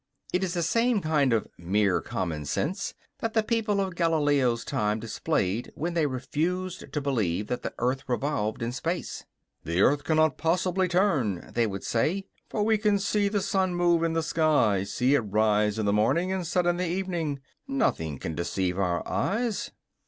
It is the same kind of "mere common sense" that the people of Galileo's time displayed when they refused to believe that the earth revolved in space. "The earth cannot possibly turn," they would say, "for we can see the sun move in the sky, see it rise in the morning and set in the evening. Nothing can deceive our eyes."